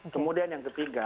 kemudian yang ketiga